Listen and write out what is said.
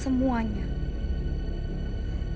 semuanya dokter semuanya